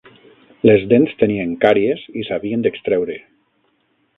Les dents tenien càries i s'havien d'extreure.